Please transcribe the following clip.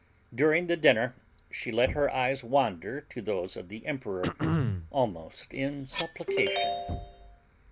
During the dinner she let her eyes wander to those of the emperor almost in supplication.